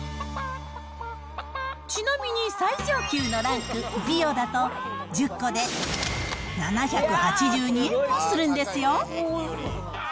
ちなみに、最上級のランク、ビオだと１０個で７８２円もするんですよ。